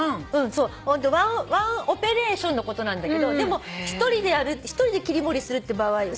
「ワンオペレーション」のことなんだけどでも「一人で切り盛りする」って。